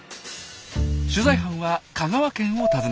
取材班は香川県を訪ねました。